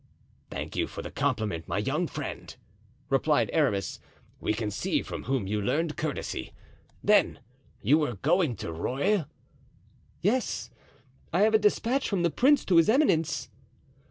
"Thank you for the compliment, my young friend," replied Aramis, "we can see from whom you learned courtesy. Then you were going to Rueil?" "Yes! I have a despatch from the prince to his eminence."